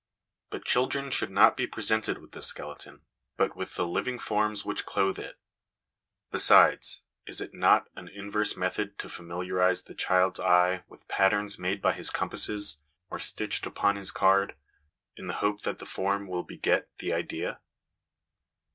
But children should not be presented with the skeleton, but with the living forms which clothe it. Besides, is it not an inverse method to familiarise the child's eye with patterns made by his compasses, or stitched upon his card, in the hope that the form will beget the idea